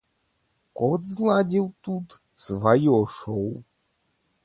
Кот зладзіў тут сваё шоў.